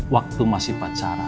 waktu masih pacaran